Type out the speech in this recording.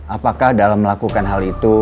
apakah dalam melakukan hal itu